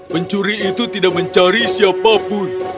pencuri itu tidak mencari siapapun